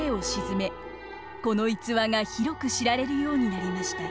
この逸話が広く知られるようになりました。